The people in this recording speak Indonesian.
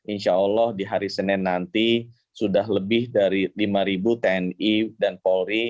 insya allah di hari senin nanti sudah lebih dari lima tni dan polri